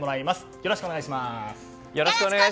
よろしくお願いします！